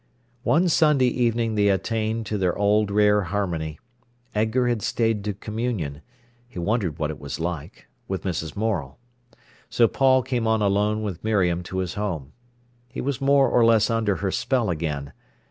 One Sunday evening they attained to their old rare harmony. Edgar had stayed to Communion—he wondered what it was like—with Mrs. Morel. So Paul came on alone with Miriam to his home. He was more or less under her spell again.